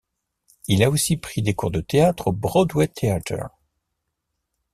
Il a aussi pris des cours de théâtre au Broadway Theatre.